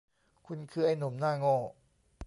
คุณคือไอ้หนุ่มหน้าโง่